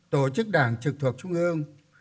tổ chức đảng trực thuộc trung ương